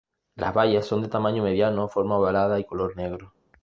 Las bayas son de tamaño mediano, forma ovalada y color negro.